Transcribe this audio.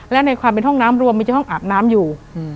และในความเป็นห้องน้ำรวมมีจะห้องอาบน้ำอยู่